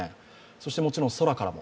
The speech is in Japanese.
そしてもちろん空からも。